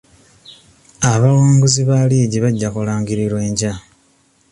Abawanguzi ba liigi bajja kulangirirwa enkya .